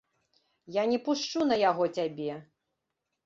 Я не пушчу на яго цябе!